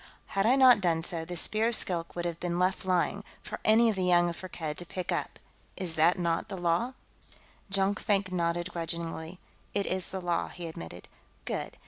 Had I not done so, the Spear of Skilk would have been left lying, for any of the young of Firkked to pick up. Is that not the law?" Jonkvank nodded grudgingly. "It is the law," he admitted. "Good.